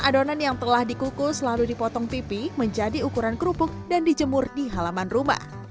adonan yang telah dikukus lalu dipotong pipi menjadi ukuran kerupuk dan dijemur di halaman rumah